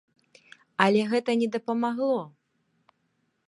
Але гэта не дапамагло!